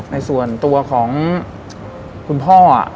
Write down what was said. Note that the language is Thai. ในส่วนตัวของคุณพ่อ